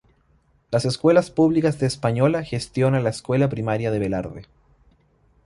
Las Escuelas Públicas de Española gestiona la Escuela Primaria de Velarde.